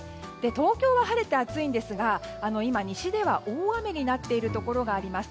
東京は晴れて暑いですが今、西では大雨になっているところがあります。